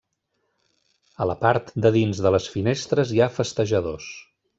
A la part de dins de les finestres hi ha festejadors.